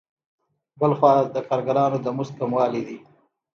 بل خوا د کارګرانو د مزد کموالی دی